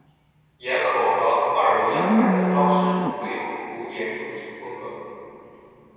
檐口和二楼阳台的装饰为古典主义风格。